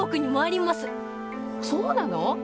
そうなの？